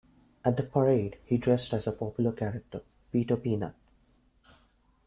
At the parade, he dressed as a popular character, Peter Peanut.